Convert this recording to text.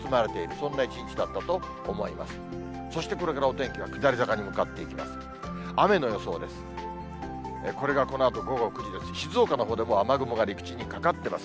そしてこれからお天気は下り坂に向かっていきます。